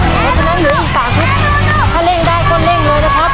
เพราะฉะนั้นเหลืออีก๓ชุดถ้าเร่งได้ก็เร่งเลยนะครับ